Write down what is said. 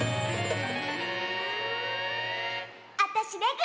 あたしレグ！